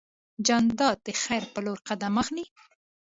جانداد د خیر په لور قدم اخلي.